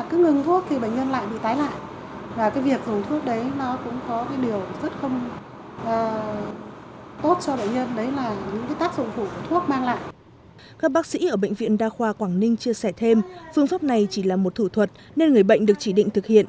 các bác sĩ ở bệnh viện đa khoa quảng ninh chia sẻ thêm phương pháp này chỉ là một thủ thuật nên người bệnh được chỉ định thực hiện